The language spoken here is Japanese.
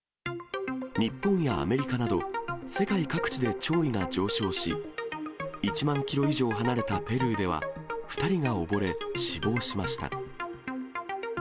日本やアメリカなど、世界各地で潮位が上昇し、１万キロ以上離れたペルーでは、２人が溺れ死亡しました。